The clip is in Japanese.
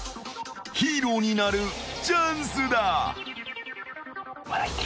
［ヒーローになるチャンスだ］